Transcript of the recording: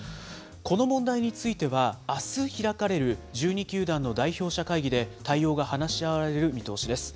この問題については、あす開かれる、１２球団の代表者会議で対応が話し合われる見通しです。